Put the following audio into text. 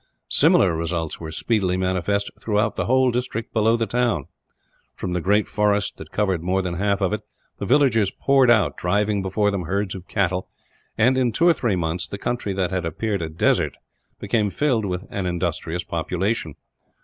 Similar results were speedily manifest throughout the whole district below the town. From the great forest that covered more than half of it, the villagers poured out, driving before them herds of cattle and, in two or three months, the country that had appeared a desert became filled with an industrious population.